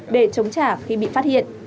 để chống trả khi bị phát hiện